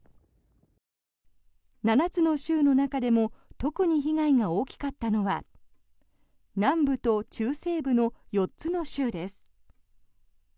７つの州の中でも特に被害が大きかったのは南部と中西部の４つの州です。